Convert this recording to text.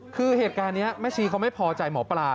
คือเหตุการณ์นี้แม่ชีเขาไม่พอใจหมอปลา